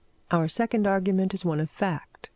Our second argument is one of fact.